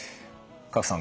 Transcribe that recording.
賀来さん